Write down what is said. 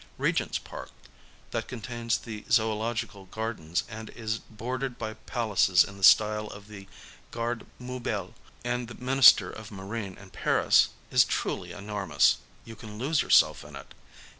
Regent's Park, that contains the Zoological Gardens and is bordered by palaces in the style of the Garde Meuble and the Minister of Marine in Paris, is truly enormous. You can lose yourself in it.